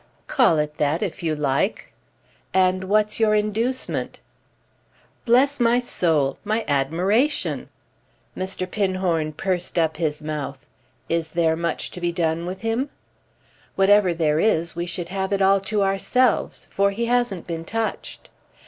"Call it that if you like." "And what's your inducement?" "Bless my soul—my admiration!" Mr. Pinhorn pursed up his mouth. "Is there much to be done with him?" "Whatever there is we should have it all to ourselves, for he hasn't been touched."